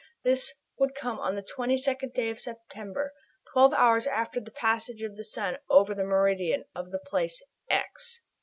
This would come on the 22d day of September, twelve hours after the passage of the sun over the meridian of the place "x."